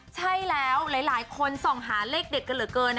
ใช่แล้วหลายหลายคนศมหาเลขเด็กเกินเหลือเกินนะคะ